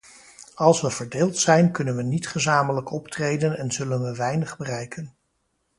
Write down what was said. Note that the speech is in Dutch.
Als we verdeeld zijn kunnen we niet gezamenlijk optreden en zullen we weinig bereiken.